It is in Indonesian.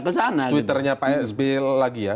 kita coba lihat twitternya pak sby lagi ya